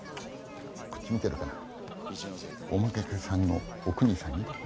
こっち見てるかなお妾さんのおくにさんにね。